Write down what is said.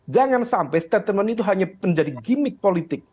jangan sampai statement itu hanya menjadi gimmick politik